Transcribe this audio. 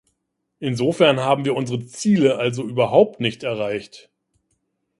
Insofern haben wir unsere Ziele also überhaupt nicht erreicht.